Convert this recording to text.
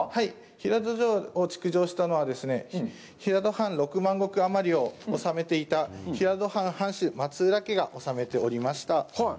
平戸城を築城したのは平戸藩６万石余りをおさめていた平戸藩藩主、松浦家が治めておりました。